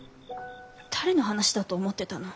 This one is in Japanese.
誰の話だと思ってたの？